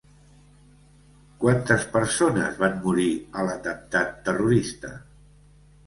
Quantes persones van morir a l'atemptat terrorista?